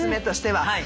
はい。